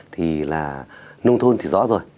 thì là nông thôn thì rõ rồi